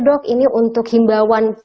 dok ini untuk himbawan